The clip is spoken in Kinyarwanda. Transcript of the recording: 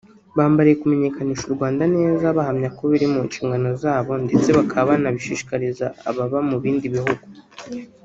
bambariye kumenyekanisha u Rwanda neza bahamya ko biri mu nshingano zabo ndetse bakaba banabishishikariza ababa mu bindi bihugu